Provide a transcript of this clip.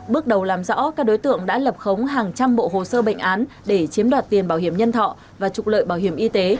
bước đầu làm rõ các đối tượng đã lập khống hàng trăm bộ hồ sơ bệnh án để chiếm đoạt tiền bảo hiểm nhân thọ và trục lợi bảo hiểm y tế